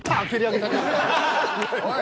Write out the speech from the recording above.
おい！